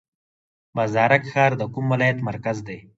بازارک ښار د کوم ولایت مرکز دی؟